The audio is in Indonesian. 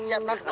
pak pak pak